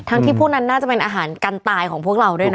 ที่พวกนั้นน่าจะเป็นอาหารการตายของพวกเราด้วยนะ